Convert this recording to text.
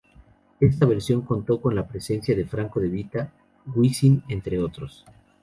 Esta versión contó con la presencia de Franco de Vita, Wisin entre otros.